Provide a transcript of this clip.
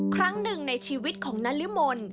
ครั้งหนึ่งในชีวิตของนาริมล